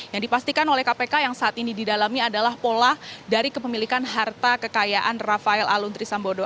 yang dipastikan oleh kpk yang saat ini didalami adalah pola dari kepemilikan harta kekayaan rafael aluntri sambodo